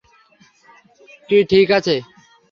কী ঠিক আছে?